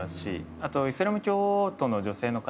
あとイスラム教徒の女性の方